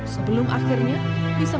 sebelum akhirnya bisa merebutkan perang